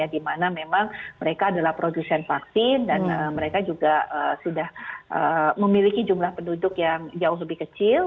dimana memang mereka adalah produsen vaksin dan mereka juga sudah memiliki jumlah penduduk yang jauh lebih kecil